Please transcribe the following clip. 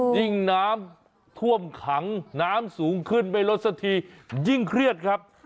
ยิ่งน้ำท่วมขังน้ำสูงขึ้นไม่ลดสักทียิ่งเครียดครับ